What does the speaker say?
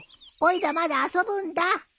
おいらまだ遊ぶんだ。